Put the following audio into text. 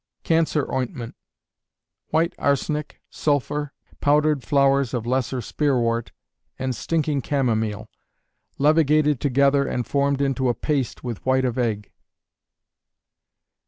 Cancer Ointment. White arsenic, sulphur, powdered flowers of lesser spearwort, and stinking chamomile, levigated together and formed into a paste with white of egg.